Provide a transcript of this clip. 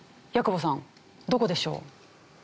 矢久保さんどこでしょう？